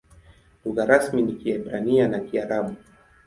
Lugha rasmi ni Kiebrania na Kiarabu.